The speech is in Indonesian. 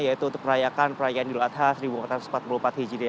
yaitu untuk merayakan perayaan idul adha seribu empat ratus empat puluh empat hijriah